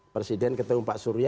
presiden ketemu pak surya